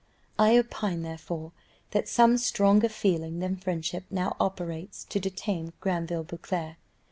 I opine, therefore, that some stronger feeling than friendship now operates to detain Granville Beauclerc.